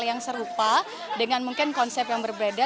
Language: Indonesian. yang serupa dengan mungkin konsep yang berbeda